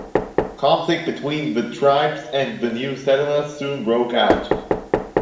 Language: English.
Conflict between the tribes and the new settlers soon broke out.